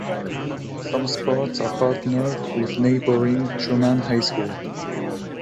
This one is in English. Some sports are partnered with neighboring Truman High School.